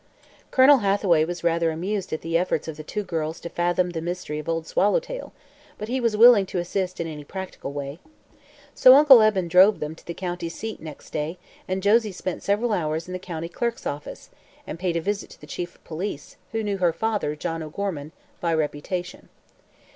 Colonel Hathaway was rather amused at the efforts of the two girls to fathom the mystery of Old Swallowtail, but he was willing to assist in any practical way. So Uncle Eben drove them to the county seat next day and Josie spent several hours in the county clerk's office and paid a visit to the chief of police, who knew her father, John O'Gorman, by reputation.